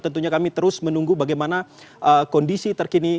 tentunya kami terus menunggu bagaimana kondisi terkini